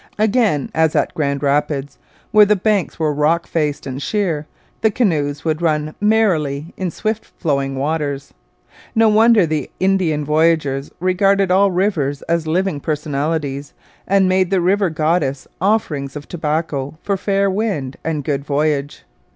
Again, as at Grand Rapids, where the banks were rock faced and sheer, the canoes would run merrily in swift flowing waters. No wonder the Indian voyageurs regarded all rivers as living personalities and made the River Goddess offerings of tobacco for fair wind and good voyage.